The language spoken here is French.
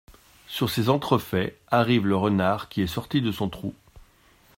Sur ces entrefaites, arrive le renard, qui est sorti de son trou.